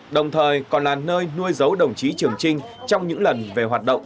đồng thời còn là nơi nuôi dấu đồng chí trường trinh trong những lần về hoạt động